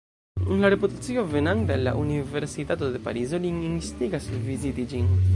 La reputacio venanta el la Universitato de Parizo lin instigas viziti ĝin.